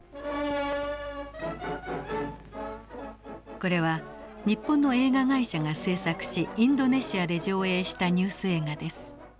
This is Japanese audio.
これは日本の映画会社が製作しインドネシアで上映したニュース映画です。